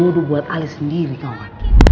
lu buat ale sendiri kawan